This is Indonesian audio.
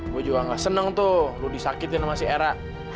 gue juga gak seneng tuh lu disakitin sama si era